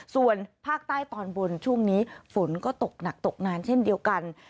ส่วนภาคใต้ตอนบนช่วงนี้ฝนก็ตกหนักตกนานเช่นเดียวกัน